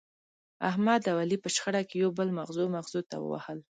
احمد او علي په شخړه کې یو بل مغزو مغزو ته ووهل.